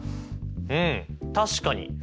うん確かに！